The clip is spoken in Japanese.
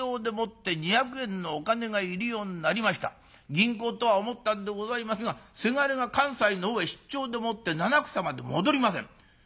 銀行とは思ったんでございますがせがれが関西のほうへ出張でもって七草まで戻りません。